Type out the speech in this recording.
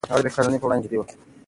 هغه د بې قانونۍ پر وړاندې جدي و.